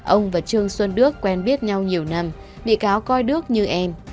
ông và trương xuân đức quen biết nhau nhiều năm bị cáo coi đức như em